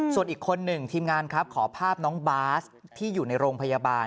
ส่วนอีกคนหนึ่งทีมงานครับขอภาพน้องบาสที่อยู่ในโรงพยาบาล